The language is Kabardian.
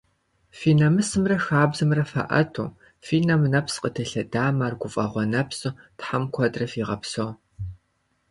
Фи намысымрэ хабзэмрэ фаӏэту, фи нэм нэпс къытелъэдамэ ар гуфӏэгъуэ нэпсу Тхьэм куэдрэ фигъэпсэу!